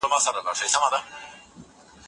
کتاب ښکلي انځورونه لري.